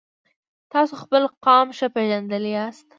تاسو خپل قام ښه پیژندلی یاست.